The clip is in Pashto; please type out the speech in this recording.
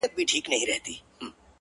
را ژوندی سوی يم ـ اساس يمه احساس يمه ـ